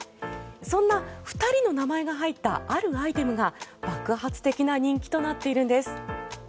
そんな２人の名前が入ったあるアイテムが爆発的な人気となっているんです。